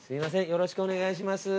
よろしくお願いします。